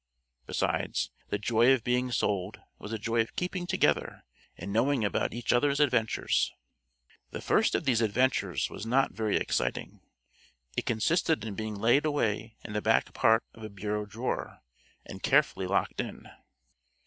Besides, the joy of being sold was the joy of keeping together and knowing about each other's adventures. The first of these adventures was not very exciting. It consisted in being laid away in the back part of a bureau drawer, and carefully locked in.